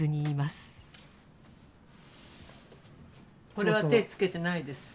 これは手付けてないです。